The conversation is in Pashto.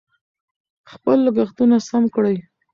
خپل لګښتونه سم کړئ.